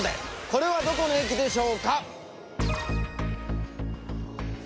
これはどこの駅でしょうか？